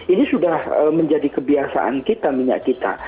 ini sudah menjadi kebiasaan kita minyak kita